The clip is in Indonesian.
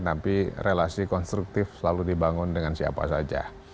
tapi relasi konstruktif selalu dibangun dengan siapa saja